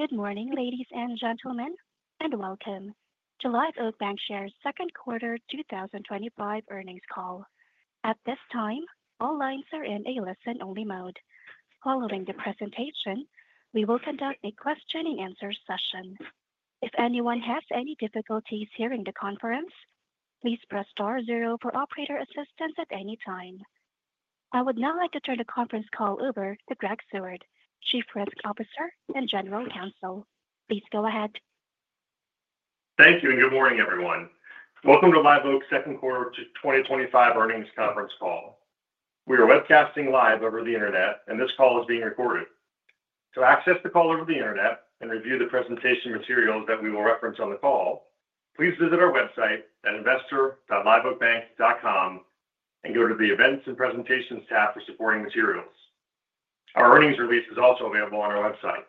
Good morning, ladies and gentlemen, and welcome to Live Oak Bancshares' Second Quarter 2025 Earnings Call. At this time, all lines are in a listen-only mode. Following the presentation, we will conduct a question-and-answer session. If anyone has any difficulties hearing the conference, please press star zero for operator assistance at any time. I would now like to turn the conference call over to Greg Seward, Chief Risk Officer and General Counsel. Please go ahead. Thank you and good morning, everyone. Welcome to Live Oak Second Quarter 2025 Earnings Conference Call. We are webcasting live over the internet, and this call is being recorded. To access the call over the internet and review the presentation materials that we will reference on the call, please visit our website at investor.liveoakbank.com and go to the Events and Presentations tab for supporting materials. Our earnings release is also available on our website.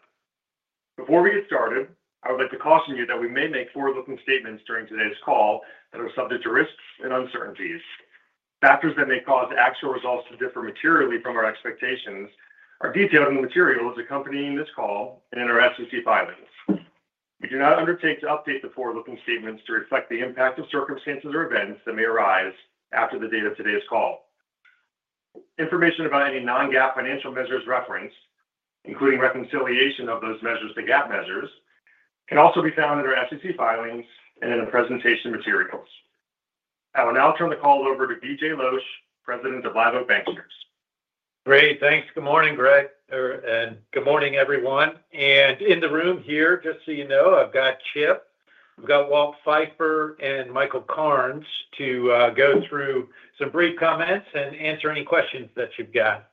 Before we get started, I would like to caution you that we may make forward-looking statements during today's call that are subject to risks and uncertainties. Factors that may cause the actual results to differ materially from our expectations are detailed in the materials accompanying this call and in our SEC filings. We do not undertake to update the forward-looking statements to reflect the impact of circumstances or events that may arise after the date of today's call. Information about any non-GAAP financial measures referenced, including reconciliation of those measures to GAAP measures, can also be found in our SEC filings and in the presentation materials. I will now turn the call over to BJ Losch, President of Live Oak Bancshares. Great, thanks. Good morning, Greg, and good morning, everyone. In the room here, just so you know, I've got Chip, we've got Walt Phifer, and Michael Cairns to go through some brief comments and answer any questions that you've got.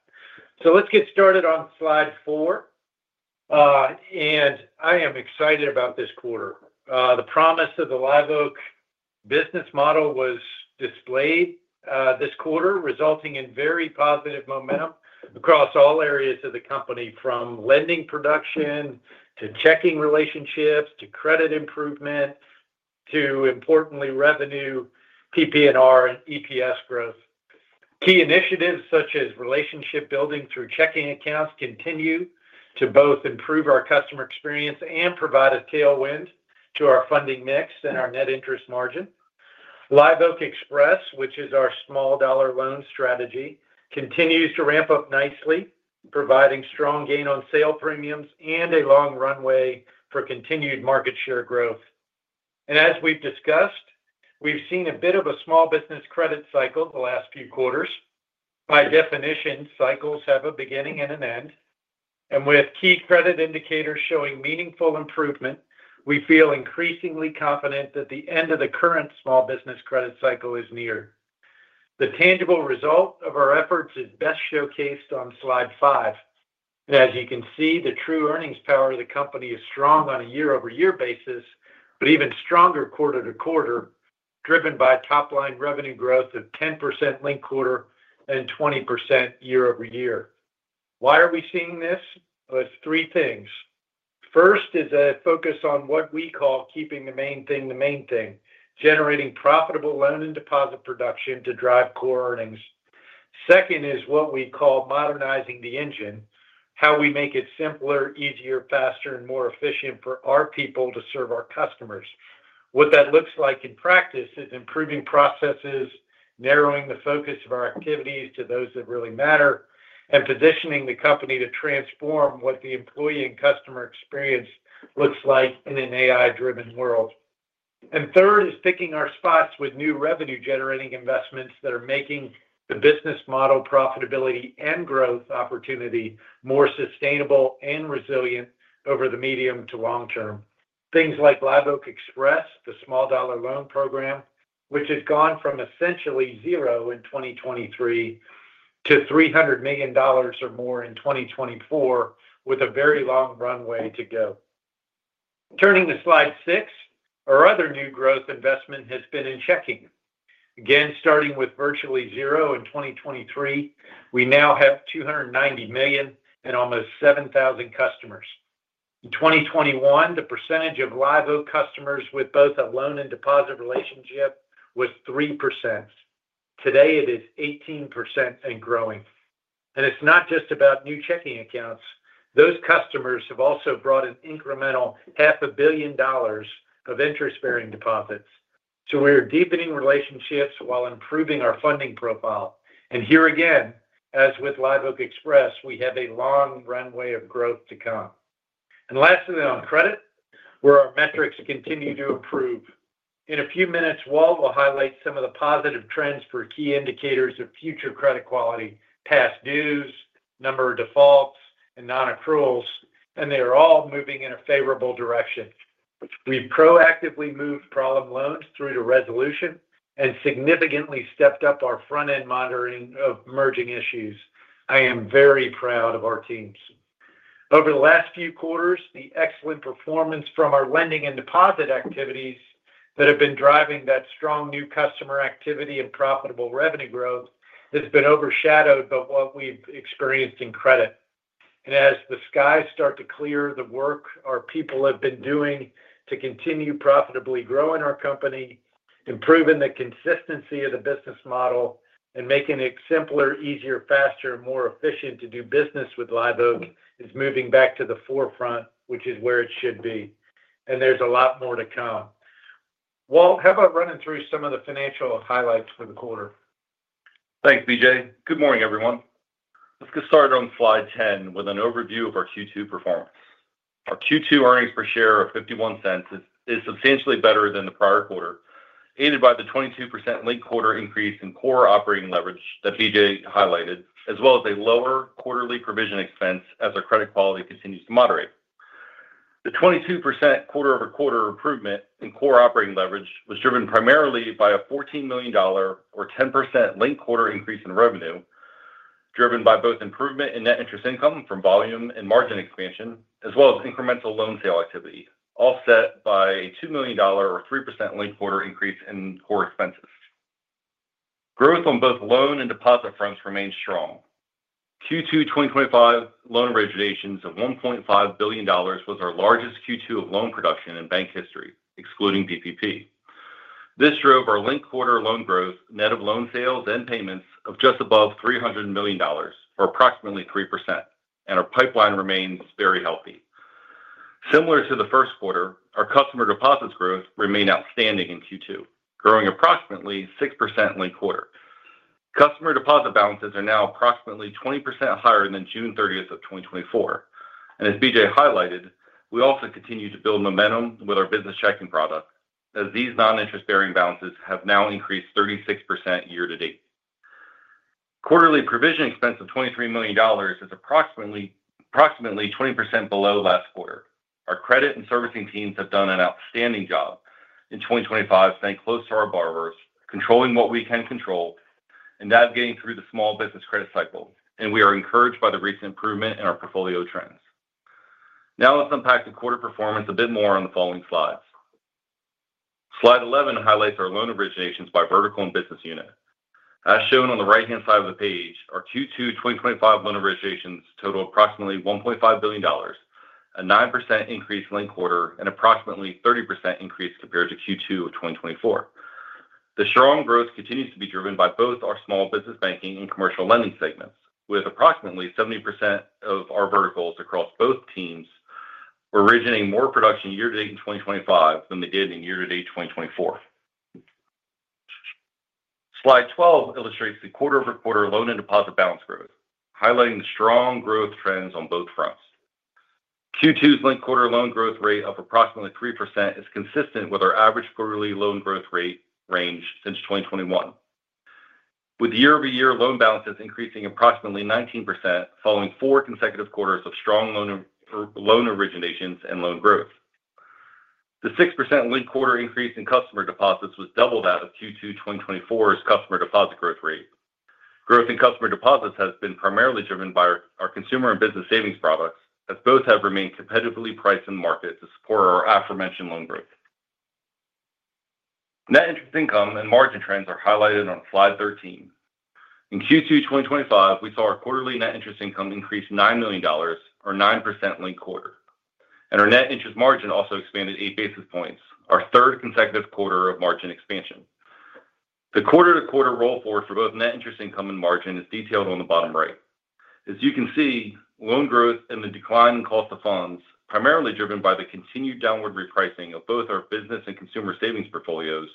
Let's get started on slide four. I am excited about this quarter. The promise of the Live Oak business model was displayed this quarter, resulting in very positive momentum across all areas of the company, from lending production to checking relationships to credit improvement to, importantly, revenue PPNR and EPS growth. Key initiatives such as relationship building through checking accounts continue to both improve our customer experience and provide a tailwind to our funding mix and our net interest margin. Live Oak Express, which is our small-dollar loan strategy, continues to ramp up nicely, providing strong gain-on-sale premiums and a long runway for continued market share growth. As we've discussed, we've seen a bit of a small business credit cycle the last few quarters. By definition, cycles have a beginning and an end. With key credit indicators showing meaningful improvement, we feel increasingly confident that the end of the current small business credit cycle is near. The tangible result of our efforts is best showcased on slide five. As you can see, the true earnings power of the company is strong on a year-over-year basis, but even stronger quarter-to-quarter, driven by top-line revenue growth of 10% linked quarter and 20% year-over-year. Why are we seeing this? It's three things. First is a focus on what we call keeping the main thing the main thing, generating profitable loan and deposit production to drive core earnings. Second is what we call modernizing the engine, how we make it simpler, easier, faster, and more efficient for our people to serve our customers. What that looks like in practice is improving processes, narrowing the focus of our activities to those that really matter, and positioning the company to transform what the employee and customer experience looks like in an AI-driven world. Third is picking our spots with new revenue-generating investments that are making the business model profitability and growth opportunity more sustainable and resilient over the medium to long term. Things like Live Oak Express, the small-dollar loan program, which has gone from essentially zero in 2023 to $300 million or more in 2024, with a very long runway to go. Turning to slide six, our other new growth investment has been in checking. Again, starting with virtually zero in 2023, we now have $290 million and almost 7,000 customers. In 2021, the percentage of Live Oak customers with both a loan and deposit relationship was 3%. Today, it is 18% and growing. It's not just about new checking accounts. Those customers have also brought in incremental $500 million of interest-bearing deposits. We're deepening relationships while improving our funding profile. Here again, as with Live Oak Express, we have a long runway of growth to come. Lastly, on credit, our metrics continue to improve. In a few minutes, Walt will highlight some of the positive trends for key indicators of future credit quality: past dues, number of defaults, and non-accruals, and they are all moving in a favorable direction. We've proactively moved problem loans through to resolution and significantly stepped up our front-end monitoring of emerging issues. I am very proud of our teams. Over the last few quarters, the excellent performance from our lending and deposit activities that have been driving that strong new customer activity and profitable revenue growth has been overshadowed by what we've experienced in credit. As the skies start to clear, the work our people have been doing to continue profitably growing our company, improving the consistency of the business model, and making it simpler, easier, faster, and more efficient to do business with Live Oak is moving back to the forefront, which is where it should be. There's a lot more to come. Walt, how about running through some of the financial highlights for the quarter? Thanks, BJ. Good morning, everyone. Let's get started on slide 10 with an overview of our Q2 performance. Our Q2 earnings per share of $0.51 is substantially better than the prior quarter, aided by the 22% linked quarter increase in core operating leverage that BJ highlighted, as well as a lower quarterly provision expense as our credit quality continues to moderate. The 22% quarter-over-quarter improvement in core operating leverage was driven primarily by a $14 million or 10% linked quarter increase in revenue, driven by both improvement in net interest income from volume and margin expansion, as well as incremental loan sale activity, offset by a $2 million or 3% linked quarter increase in core expenses. Growth on both loan and deposit fronts remains strong. Q2 2025 loan originations of $1.5 billion was our largest Q2 of loan production in bank history, excluding PPP. This drove our linked quarter loan growth, net of loan sales and payments of just above $300 million, or approximately 3%, and our pipeline remains very healthy. Similar to the first quarter, our customer deposits growth remained outstanding in Q2, growing approximately 6% late quarter. Customer deposit balances are now approximately 20% higher than June 30, 2024. As BJ highlighted, we also continue to build momentum with our business checking product, as these non-interest-bearing balances have now increased 36% year to date. Quarterly provision expense of $23 million is approximately 20% below last quarter. Our credit and servicing teams have done an outstanding job in 2025, staying close to our borrowers, controlling what we can control, and navigating through the small business credit cycle. We are encouraged by the recent improvement in our portfolio trends. Now let's unpack the quarter performance a bit more on the following slides. Slide 11 highlights our loan originations by vertical and business unit. As shown on the right-hand side of the page, our Q2 2025 loan originations total approximately $1.5 billion, a 9% increase in the quarter, and approximately a 30% increase compared to Q2 2024. The strong growth continues to be driven by both our small business banking and commercial lending segments, with approximately 70% of our verticals across both teams originating more production year to date in 2025 than they did year to date in 2024. Slide 12 illustrates the quarter-over-quarter loan and deposit balance growth, highlighting strong growth trends on both fronts. Q2's linked quarter loan growth rate of approximately 3% is consistent with our average quarterly loan growth rate range since 2021, with the year-over-year loan balances increasing approximately 19% following four consecutive quarters of strong loan originations and loan growth. The 6% linked quarter increase in customer deposits was double that of Q2 2024's customer deposit growth rate. Growth in customer deposits has been primarily driven by our consumer and business savings products, as both have remained competitively priced in the market to support our aforementioned loan growth. Net interest income and margin trends are highlighted on slide 13. In Q2 2025, we saw our quarterly net interest income increase $9 million, or 9% linked quarter. Our net interest margin also expanded 8 basis points, our third consecutive quarter of margin expansion. The quarter-to-quarter roll forward for both net interest income and margin is detailed on the bottom right. As you can see, loan growth and the declining cost of funds, primarily driven by the continued downward repricing of both our business and consumer savings portfolios,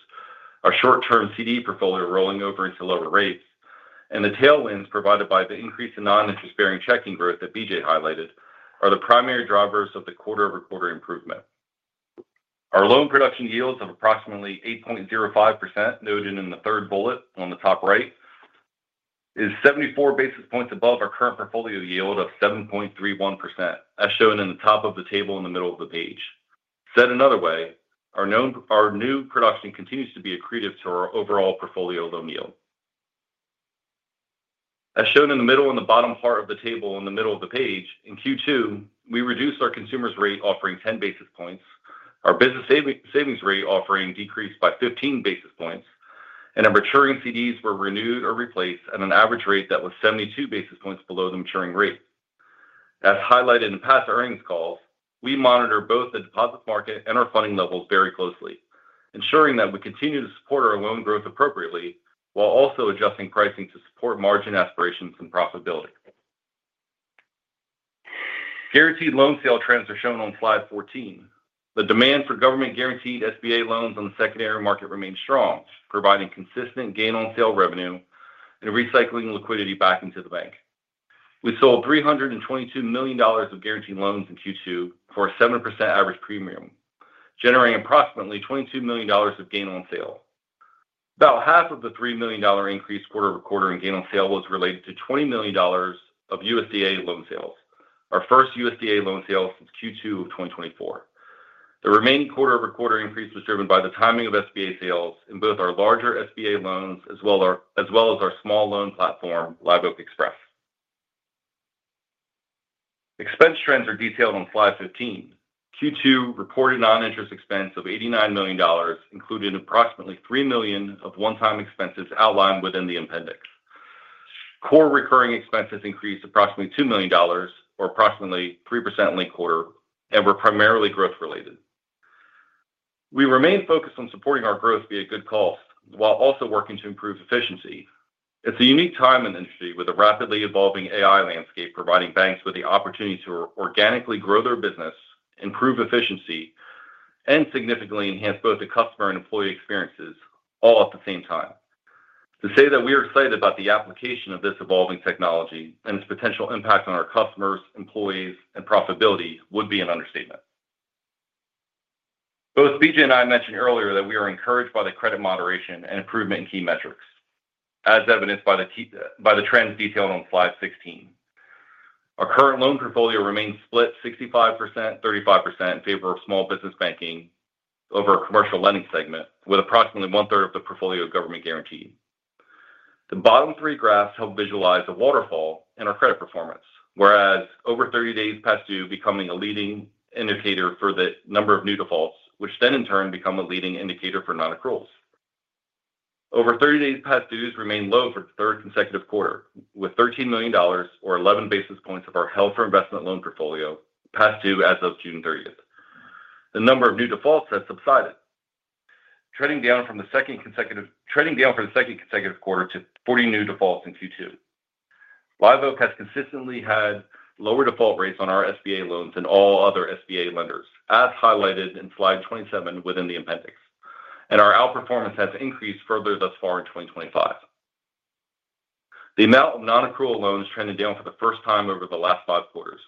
our short-term CD portfolio rolling over into lower rates, and the tailwinds provided by the increase in non-interest-bearing checking growth that BJ highlighted, are the primary drivers of the quarter-over-quarter improvement. Our loan production yields of approximately 8.05%, noted in the third bullet on the top right, is 74 basis points above our current portfolio yield of 7.31%, as shown in the top of the table in the middle of the page. Said another way, our new production continues to be accretive to our overall portfolio loan yield. As shown in the middle and the bottom part of the table in the middle of the page, in Q2, we reduced our consumers' rate offering 10 basis points, our business savings rate offering decreased by 15 basis points, and our maturing CDs were renewed or replaced at an average rate that was 72 basis points below the maturing rate. As highlighted in past earnings calls, we monitor both the deposit market and our funding levels very closely, ensuring that we continue to support our loan growth appropriately while also adjusting pricing to support margin aspirations and profitability. Guaranteed loan sale trends are shown on slide 14. The demand for government guaranteed SBA loans on the secondary market remains strong, providing consistent gain-on-sale revenue and recycling liquidity back into the bank. We sold $322 million of guaranteed loans in Q2 for a 7% average premium, generating approximately $22 million of gain-on-sale. About half of the $3 million increase quarter-over-quarter in gain-on-sale was related to $20 million of USDA loan sales, our first USDA loan sale since Q2 of 2024. The remaining quarter-over-quarter increase was driven by the timing of SBA sales in both our larger SBA loans as well as our small loan platform, Live Oak Express. Expense trends are detailed on slide 15. Q2 reported non-interest expense of $89 million, including approximately $3 million of one-time expenses outlined within the appendix. Core recurring expenses increased approximately $2 million, or approximately 3% in the quarter, and were primarily growth-related. We remain focused on supporting our growth via good costs while also working to improve efficiency. It's a unique time in the industry with a rapidly evolving AI landscape providing banks with the opportunity to organically grow their business, improve efficiency, and significantly enhance both the customer and employee experiences all at the same time. To say that we are excited about the application of this evolving technology and its potential impact on our customers, employees, and profitability would be an understatement. Both BJ and I mentioned earlier that we are encouraged by the credit moderation and improvement in key metrics, as evidenced by the trends detailed on slide 16. Our current loan portfolio remains split 65%, 35% in favor of small business banking over a commercial lending segment, with approximately one-third of the portfolio government guaranteed. The bottom three graphs help visualize a waterfall in our credit performance, whereas over 30 days past due becomes a leading indicator for the number of new defaults, which then in turn becomes a leading indicator for non-accruals. Over 30 days past dues remain low for the third consecutive quarter, with $13 million, or 11 basis points of our health or investment loan portfolio past due as of June 30th. The number of new defaults has subsided, trending down from the second consecutive quarter to 40 new defaults in Q2. Live Oak has consistently had lower default rates on our SBA loans than all other SBA lenders, as highlighted in slide 27 within the appendix. Our outperformance has increased further thus far in 2025. The amount of non-accrual loans trended down for the first time over the last five quarters,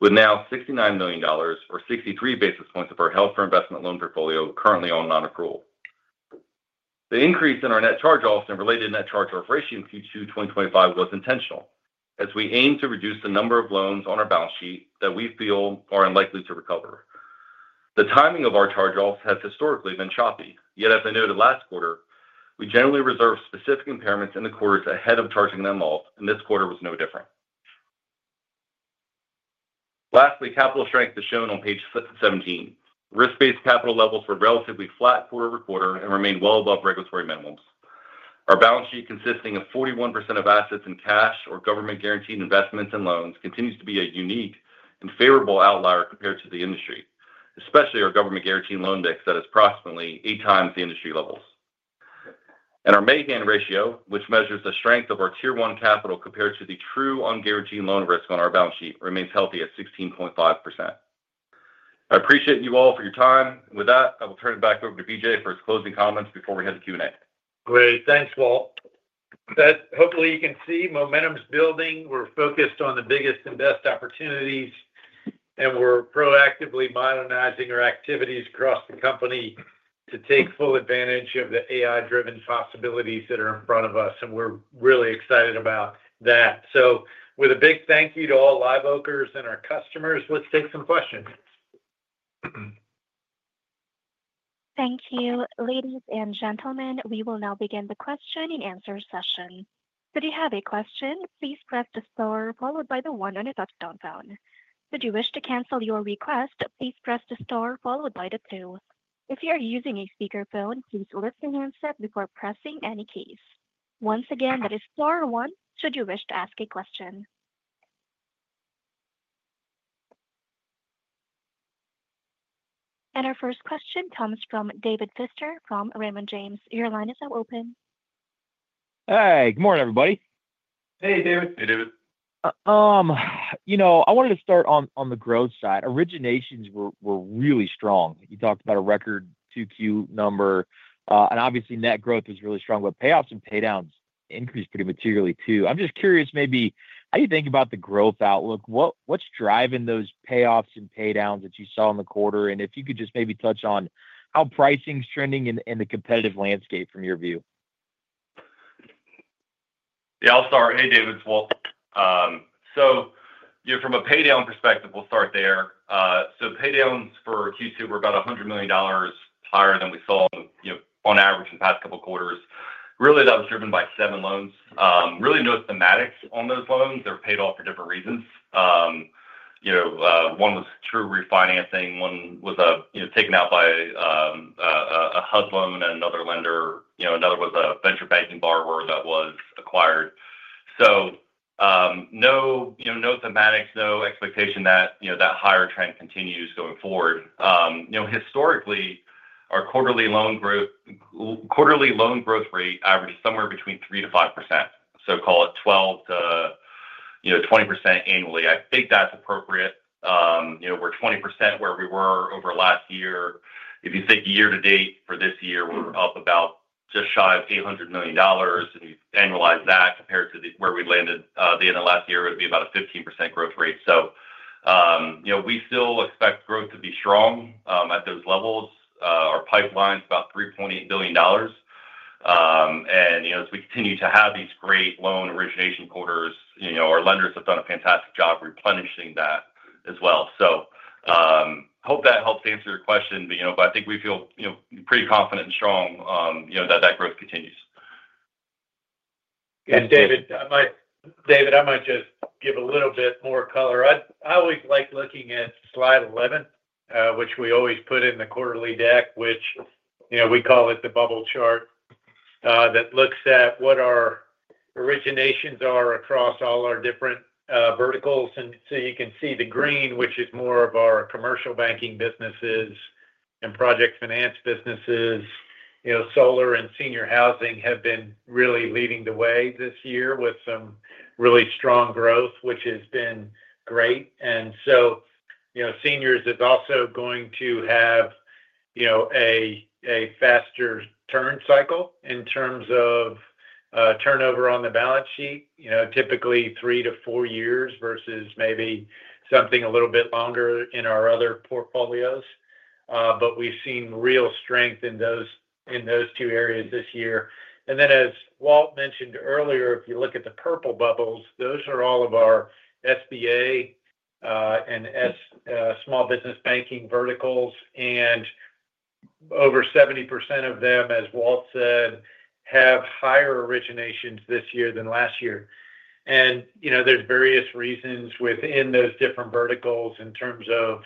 with now $69 million, or 63 basis points of our held-for-investment loan portfolio currently on non-accrual. The increase in our net charge-offs and related net charge-off ratio in Q2 2025 was intentional, as we aim to reduce the number of loans on our balance sheet that we feel are unlikely to recover. The timing of our charge-offs has historically been choppy, yet as I noted last quarter, we generally reserve specific impairments in the quarters ahead of charging them off, and this quarter was no different. Lastly, capital strength is shown on page 17. Risk-based capital levels were relatively flat quarter-over-quarter and remained well above regulatory minimums. Our balance sheet, consisting of 41% of assets in cash or government-guaranteed investments and loans, continues to be a unique and favorable outlier compared to the industry, especially our government-guaranteed loan mix that is approximately eight times the industry levels. Our main hand ratio, which measures the strength of our tier one capital compared to the true unguaranteed loan risk on our balance sheet, remains healthy at 16.5%. I appreciate you all for your time. With that, I will turn it back over to BJ for his closing comments before we head to Q&A. Great, thanks, Walt. Hopefully, you can see momentum's building. We're focused on the biggest and best opportunities, and we're proactively modernizing our activities across the company to take full advantage of the AI-driven possibilities that are in front of us, and we're really excited about that. With a big thank you to all Live Oakers and our customers, let's take some questions. Thank you, ladies and gentlemen. We will now begin the question-and-answer session. If you have a question, please press the star followed by the one on the top down. Should you wish to cancel your request, please press the star followed by the two. If you are using a speakerphone, please listen and answer before pressing any keys. Once again, that is star one should you wish to ask a question. Our first question comes from David Feaster from Raymond James. Your line is now open. Hey, good morning, everybody. Hey, David. Hey, David. I wanted to start on the growth side. Originations were really strong. You talked about a record Q2 number, and obviously net growth was really strong, but payoffs and paydowns increased pretty materially too. I'm just curious, maybe how you think about the growth outlook, what's driving those payoffs and paydowns that you saw in the quarter? If you could just maybe touch on how pricing is trending and the competitive landscape from your view. Yeah, I'll start. Hey, David, it's Walt. From a paydown perspective, we'll start there. Paydowns for Q2 were about $100 million higher than we saw on average in the past couple of quarters. That was driven by seven loans. Really no thematics on those loans. They were paid off for different reasons. One was through refinancing, one was taken out by a hub loan and another lender, another was a venture banking borrower that was acquired. No thematics, no expectation that that higher trend continues going forward. Historically, our quarterly loan growth rate averages somewhere between 3%-5%, so call it 12%-20% annually. I think that's appropriate. We're 20% where we were over the last year. If you think year to date for this year, we're up about just shy of $800 million. If you annualize that compared to where we landed at the end of last year, it would be about a 15% growth rate. We still expect growth to be strong at those levels. Our pipeline is about $3.8 billion. As we continue to have these great loan origination quarters, our lenders have done a fantastic job replenishing that as well. I hope that helps answer your question, but I think we feel pretty confident and strong that that growth continues. David, I might just give a little bit more color. I always like looking at slide 11, which we always put in the quarterly deck, which, you know, we call it the bubble chart that looks at what our originations are across all our different verticals. You can see the green, which is more of our commercial banking businesses and project finance businesses. Solar and senior housing have been really leading the way this year with some really strong growth, which has been great. Seniors are also going to have a faster turn cycle in terms of turnover on the balance sheet, typically three to four years versus maybe something a little bit longer in our other portfolios. We've seen real strength in those two areas this year. As Walt mentioned earlier, if you look at the purple bubbles, those are all of our SBA and small business banking verticals. Over 70% of them, as Walt said, have higher originations this year than last year. There are various reasons within those different verticals in terms of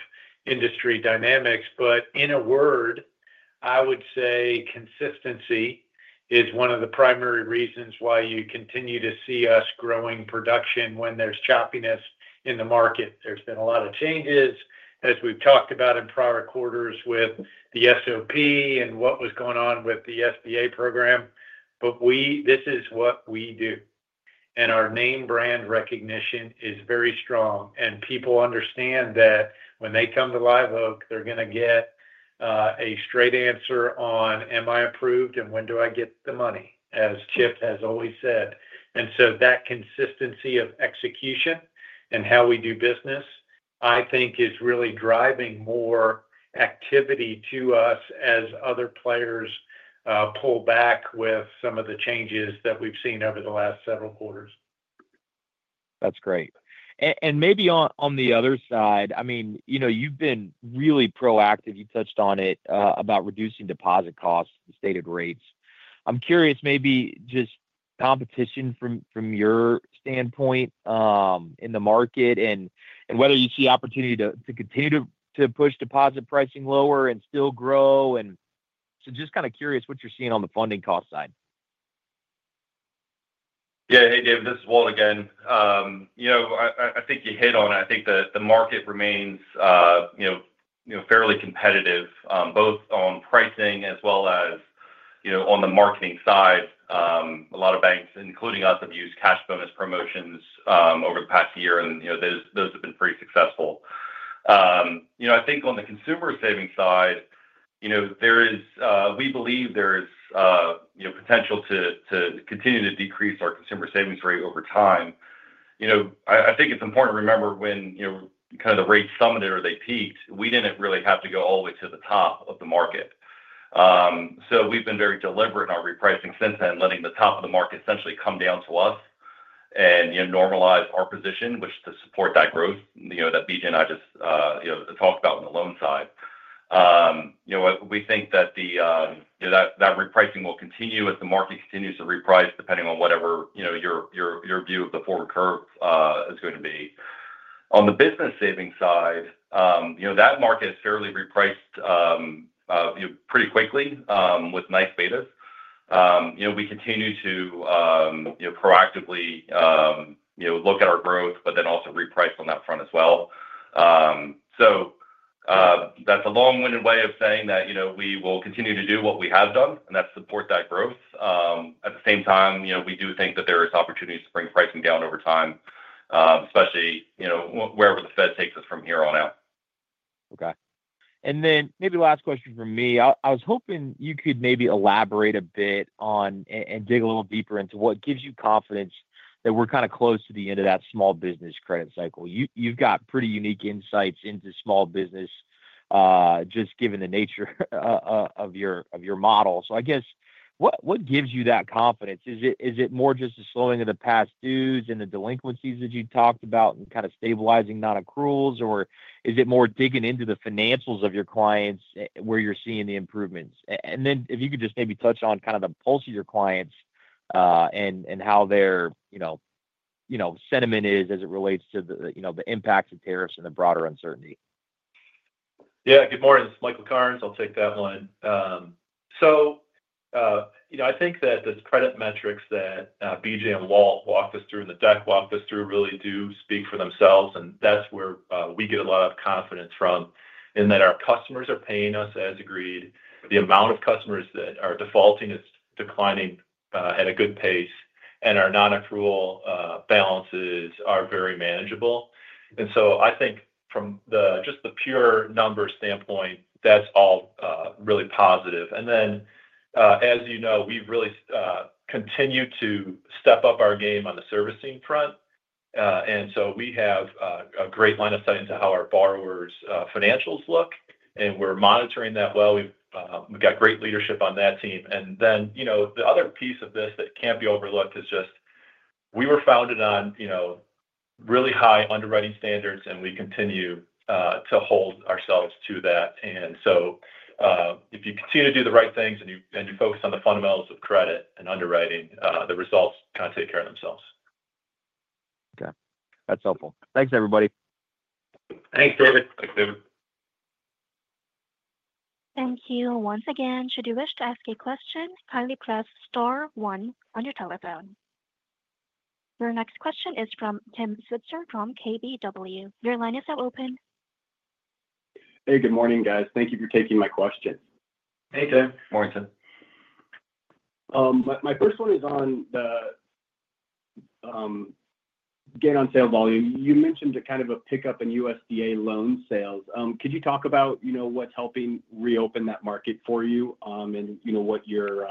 industry dynamics. In a word, I would say consistency is one of the primary reasons why you continue to see us growing production when there's choppiness in the market. There have been a lot of changes, as we've talked about in prior quarters with the SOP and what was going on with the SBA program. This is what we do. Our name brand recognition is very strong. People understand that when they come to Live Oak, they're going to get a straight answer on, am I approved and when do I get the money, as Chip has always said. That consistency of execution and how we do business, I think, is really driving more activity to us as other players pull back with some of the changes that we've seen over the last several quarters. That's great. Maybe on the other side, you've been really proactive. You touched on it, about reducing deposit costs, stated rates. I'm curious, maybe just competition from your standpoint in the market and whether you see opportunity to continue to push deposit pricing lower and still grow. Just kind of curious what you're seeing on the funding cost side. Yeah. Hey, David, this is Walt again. I think you hit on it. I think that the market remains fairly competitive, both on pricing as well as on the marketing side. A lot of banks, including us, have used cash bonus promotions over the past year, and those have been pretty successful. I think on the consumer savings side, we believe there is potential to continue to decrease our consumer savings rate over time. I think it's important to remember when the rates summited or they peaked, we didn't really have to go all the way to the top of the market. We have been very deliberate in our repricing since then, letting the top of the market essentially come down to us and normalize our position, which is to support that growth that BJ and I just talked about on the loan side. We think that repricing will continue as the market continues to reprice, depending on whatever your view of the forward curve is going to be. On the business savings side, that market has fairly repriced pretty quickly, with nice betas. We continue to proactively look at our growth, but then also reprice on that front as well. That's a long-winded way of saying that we will continue to do what we have done, and that's support that growth. At the same time, we do think that there are opportunities to bring pricing down over time, especially wherever the Fed takes us from here on out. Okay. Maybe last question from me. I was hoping you could maybe elaborate a bit on and dig a little deeper into what gives you confidence that we're kind of close to the end of that small business credit cycle. You've got pretty unique insights into small business, just given the nature of your model. I guess what gives you that confidence? Is it more just the slowing of the past dues and the delinquencies that you talked about and kind of stabilizing non-accruals, or is it more digging into the financials of your clients where you're seeing the improvements? If you could just maybe touch on kind of the pulse of your clients, and how their sentiment is as it relates to the impacts of tariffs and the broader uncertainty. Yeah. Good morning. This is Michael Cairns. I'll take that one. I think that the credit metrics that BJ and Walt walked us through and the deck walked us through really do speak for themselves, and that's where we get a lot of confidence from, in that our customers are paying us as agreed. The amount of customers that are defaulting is declining at a good pace, and our non-accrual balances are very manageable. I think from just the pure numbers standpoint, that's all really positive. As you know, we've really continued to step up our game on the servicing front. We have a great line of sight into how our borrowers' financials look, and we're monitoring that well. We've got great leadership on that team. The other piece of this that can't be overlooked is just we were founded on really high underwriting standards, and we continue to hold ourselves to that. If you continue to do the right things and you focus on the fundamentals of credit and underwriting, the results kind of take care of themselves. Okay. That's helpful. Thanks, everybody. Thanks, David. Thanks, David. Thank you. Once again, should you wish to ask a question, kindly press star one on your telephone. Your next question is from Tim Switzer from KBW. Your line is now open. Hey, good morning, guys. Thank you for taking my question. Hey, Tim. Morning, Tim. My first one is on the gain-on-sale volume. You mentioned a kind of a pickup in USDA loan sales. Could you talk about what's helping reopen that market for you, and what your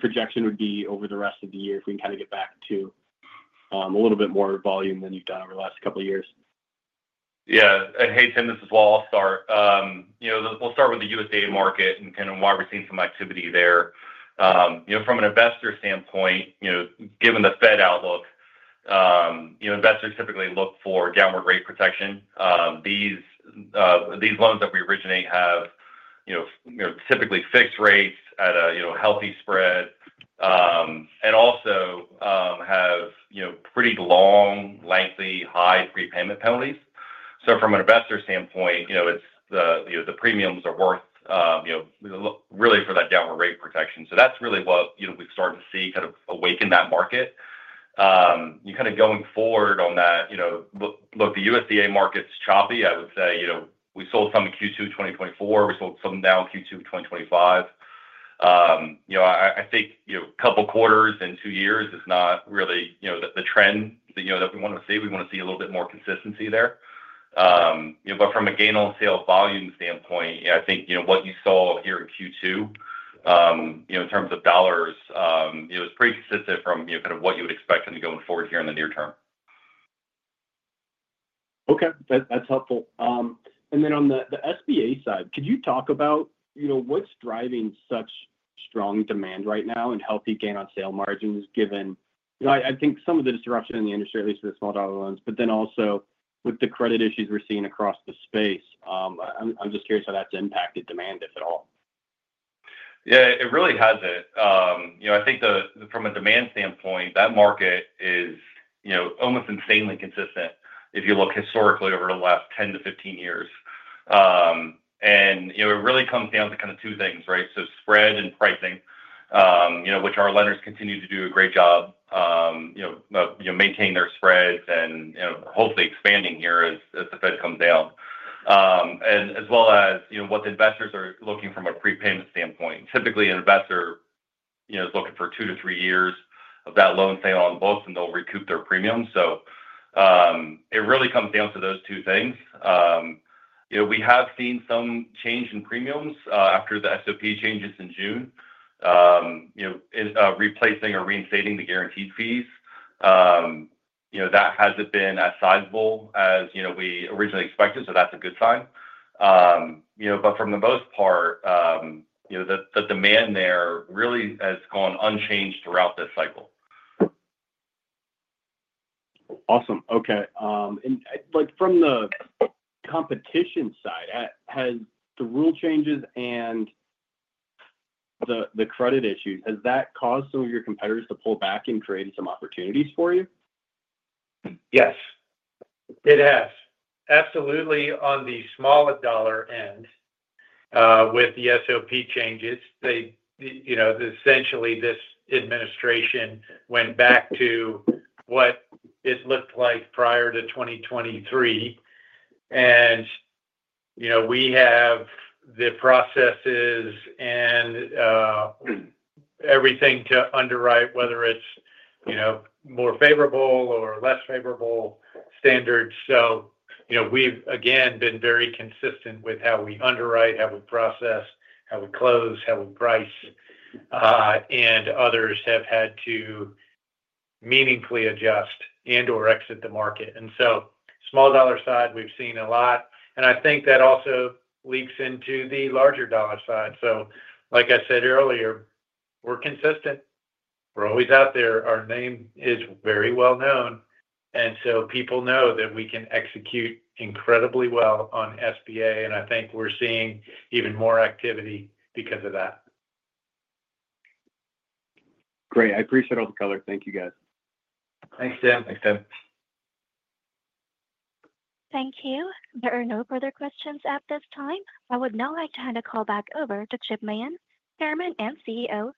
projection would be over the rest of the year if we can kind of get back to a little bit more volume than you've done over the last couple of years? Yeah. Hey, Tim, this is Walt. I'll start. We'll start with the USDA market and kind of why we're seeing some activity there. From an investor standpoint, given the Fed outlook, investors typically look for downward rate protection. These loans that we originate have typically fixed rates at a healthy spread and also have pretty long, lengthy, high prepayment penalties. From an investor standpoint, the premiums are worth it really for that downward rate protection. That's really what has started to awaken that market. Going forward on that, the USDA market's choppy. I would say we sold some in Q2 2024. We sold some now in Q2 2025. I think a couple of quarters in two years is not really the trend that we want to see. We want to see a little bit more consistency there. From a gain-on-sale volume standpoint, what you saw here in Q2 in terms of dollars is pretty consistent from what you would expect going forward here in the near term. Okay. That's helpful. On the SBA side, could you talk about what's driving such strong demand right now and healthy gain-on-sale margins, given some of the disruption in the industry, at least for the small-dollar loans, but also with the credit issues we're seeing across the space? I'm just curious how that's impacted demand, if at all. Yeah, it really hasn't. I think from a demand standpoint, that market is almost insanely consistent if you look historically over the last 10 to 15 years. It really comes down to kind of two things, right? Spread and pricing, which our lenders continue to do a great job maintaining their spreads and hopefully expanding here as the Fed comes down, as well as what the investors are looking for from a prepayment standpoint. Typically, an investor is looking for two to three years of that loan sale envelope, and they'll recoup their premium. It really comes down to those two things. We have seen some change in premiums after the SOP changes in June, replacing or reinstating the guaranteed fees. That hasn't been as sizable as we originally expected, so that's a good sign. For the most part, the demand there really has gone unchanged throughout this cycle. Awesome. Okay, and like from the competition side, has the rule changes and the credit issues, has that caused some of your competitors to pull back and created some opportunities for you? Yes, it has. Absolutely. On the smaller dollar end, with the SOP changes, this administration went back to what it looked like prior to 2023. We have the processes and everything to underwrite, whether it's more favorable or less favorable standards. We've again been very consistent with how we underwrite, how we process, how we close, how we price, and others have had to meaningfully adjust and, or exit the market. On the small dollar side, we've seen a lot. I think that also leaks into the larger dollar side. Like I said earlier, we're consistent. We're always out there. Our name is very well known. People know that we can execute incredibly well on SBA. I think we're seeing even more activity because of that. Great. I appreciate all the color. Thank you, guys. Thanks, Tim. Thanks, Tim. Thank you. There are no further questions at this time. I would now like to hand the call back over to Chip Mahan, Chairman and CEO,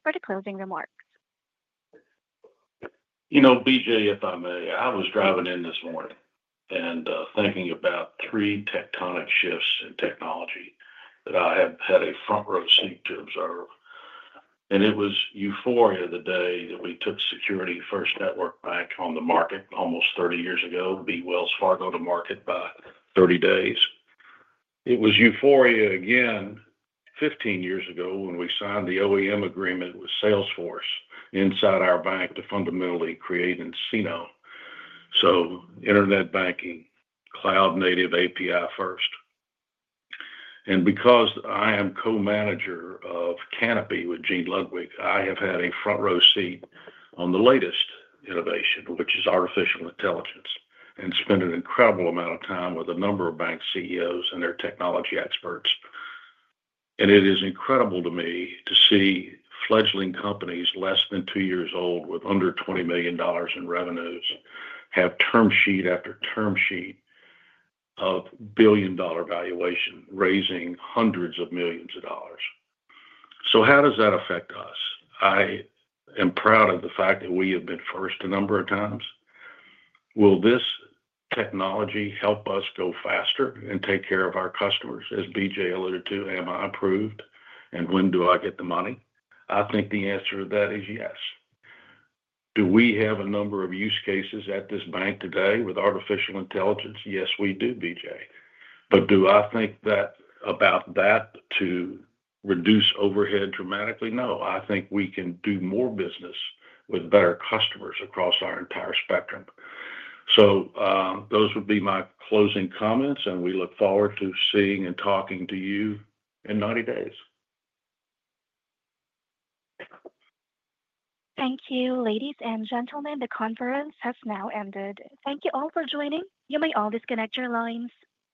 for the closing remark. You know, BJ, if I may, I was driving in this morning and thinking about three tectonic shifts in technology that I have had a front row seat to observe. It was euphoria the day that we took Security First Network back on the market almost 30 years ago, beat Wells Fargo to market by 30 days. It was euphoria again 15 years ago when we signed the OEM agreement with Salesforce inside our bank to fundamentally create Encino. Internet banking, cloud-native API first. Because I am co-manager of Canapi with Gene Ludwig, I have had a front row seat on the latest innovation, which is artificial intelligence, and spent an incredible amount of time with a number of bank CEOs and their technology experts. It is incredible to me to see fledgling companies less than two years old with under $20 million in revenues have term sheet after term sheet of billion-dollar valuation, raising hundreds of millions of dollars. How does that affect us? I am proud of the fact that we have been first a number of times. Will this technology help us go faster and take care of our customers? As BJ alluded to, am I approved and when do I get the money? I think the answer to that is yes. Do we have a number of use cases at this bank today with artificial intelligence? Yes, we do, BJ. Do I think about that to reduce overhead dramatically? No, I think we can do more business with better customers across our entire spectrum. Those would be my closing comments, and we look forward to seeing and talking to you in 90 days. Thank you, ladies and gentlemen. The conference has now ended. Thank you all for joining. You may all disconnect your lines.